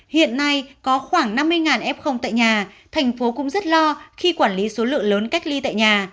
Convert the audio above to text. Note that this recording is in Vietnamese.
hiện nay có khoảng năm mươi f tại nhà thành phố cũng rất lo khi quản lý số lượng lớn cách ly tại nhà